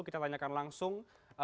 kita tanyakan langsung